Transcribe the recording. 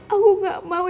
aku gak mau